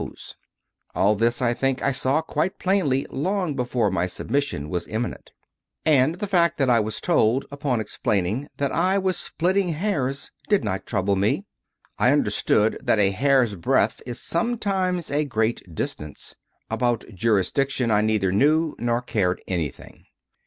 CONFESSIONS OF A CONVERT 85 All this, I think, I saw quite plainly long before my submission was imminent; and the fact that I was told, upon explaining, that I was splitting hairs, did not trouble me. I understood that a hair s breadth is sometimes a great distance. About Jurisdiction I neither knew nor cared anything.